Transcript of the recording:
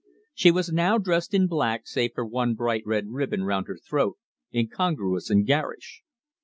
She was now dressed in black, save for one bright red ribbon round her throat, incongruous and garish.